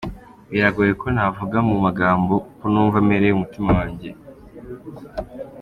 "Biragoye ko navuga mu magambo uko numva merewe mu mutima wanjye.